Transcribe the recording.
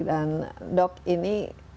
dan dok ini